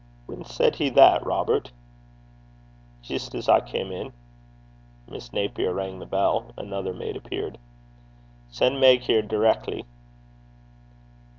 'Whan said he that, Robert?' 'Jist as I cam in.' Miss Napier rang the bell. Another maid appeared. 'Sen' Meg here direckly.'